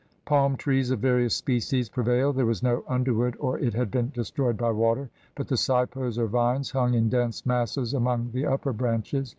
Palm trees of various species prevailed; there was no underwood, or it had been destroyed by water, but the sipos or vines hung in dense masses among the upper branches.